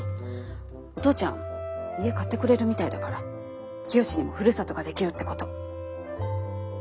お父ちゃん家買ってくれるみたいだからきよしにもふるさとができるってこと。